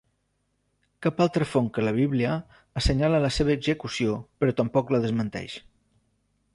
Cap altra font que la Bíblia assenyala la seva execució però tampoc la desmenteix.